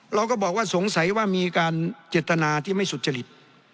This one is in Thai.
เราก็บอกว่าสงสัยว่ามีการเจตนาที่ไม่สุจริต